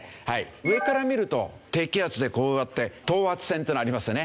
上から見ると低気圧でこうなって等圧線っていうのがありますよね。